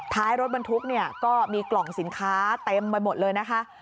ท้ายรถบรรทุกเนี่ยก็มีกล่องสินค้าเต็มไปหมดเลยนะคะ